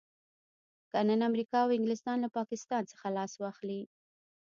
که نن امريکا او انګلستان له پاکستان څخه لاس واخلي.